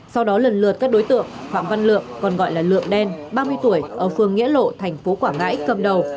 sau đó lần lượt các đối tượng phạm văn lượng còn gọi là lượng đen ba mươi tuổi ở phường nghĩa lộ thành phố quảng ngãi cầm đầu